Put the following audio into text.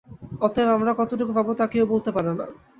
অতএব আমরা কতটুকু পাব, তা কেউ বলতে পারে না।